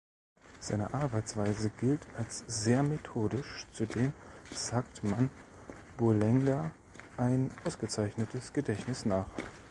Seine Arbeitsweise gilt als sehr methodisch, zudem sagt man Boulenger ein ausgezeichnetes Gedächtnis nach.